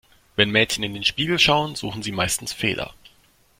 Wenn Mädchen in den Spiegel schauen, suchen sie meistens Fehler.